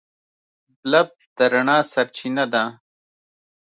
بلب د رڼا سرچینه ده.